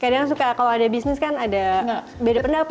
kadang suka kalau ada bisnis kan ada beda pendapat